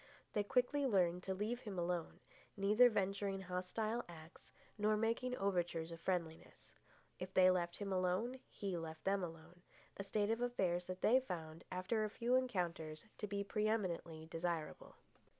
They quickly learned to leave him alone, neither venturing hostile acts nor making overtures of friendliness. If they left him alone, he left them alone—a state of affairs that they found, after a few encounters, to be pre eminently desirable.